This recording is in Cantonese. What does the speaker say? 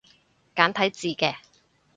簡體字嘅